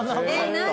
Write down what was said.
何？